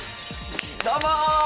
どうも！